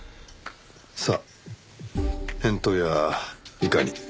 さあ返答やいかに。